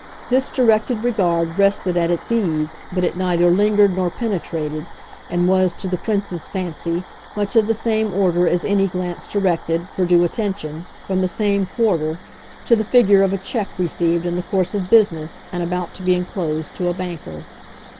This directed regard rested at its ease, but it neither lingered nor penetrated, and was, to the Prince's fancy, much of the same order as any glance directed, for due attention, from the same quarter, to the figure of a cheque received in the course of business and about to be enclosed to a banker.